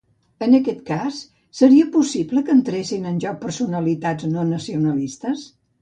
En aquest cas, seria possible que entressin en joc personalitats no nacionalistes?